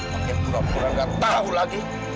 maka pura pura gak tau lagi